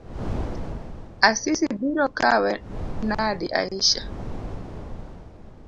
Asisi biro kawe nade Aisha?